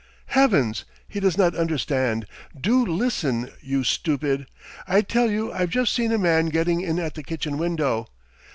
"Heavens! he does not understand. Do listen, you stupid! I tell you I've just seen a man getting in at the kitchen window!